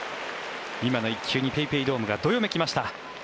今の１球にＰａｙＰａｙドームがどよめきました。